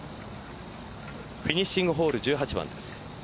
フィニッシングボール１８番です。